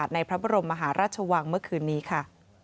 ในพระบรมมหาราชวังเมื่อคืนนี้ค่ะ